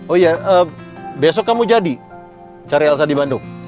oh iya besok kamu jadi cari elsa di bandung